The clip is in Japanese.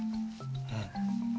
うん。